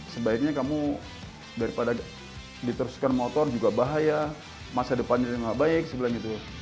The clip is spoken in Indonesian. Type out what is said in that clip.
sebaiknya kamu daripada diteruskan motor juga bahaya masa depannya tidak baik